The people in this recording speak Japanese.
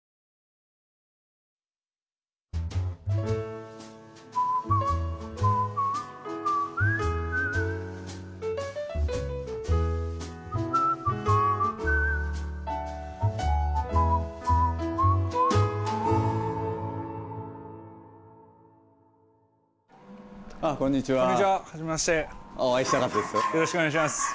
よろしくお願いします。